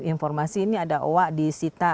informasi ini ada oha di sita